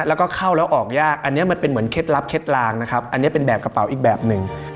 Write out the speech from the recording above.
แล้วก็เข้าแล้วออกยากอันนี้มันเป็นเหมือนเคล็ดลับเคล็ดลางนะครับอันนี้เป็นแบบกระเป๋าอีกแบบหนึ่ง